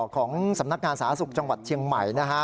ของสำนักงานสาธารณสุขจังหวัดเชียงใหม่นะฮะ